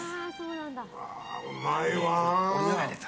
うまいわ。